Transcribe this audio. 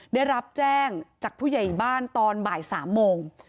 ได้รับแจ้งจากผู้ใหญ่บ้านตอนบ่าย๓โมง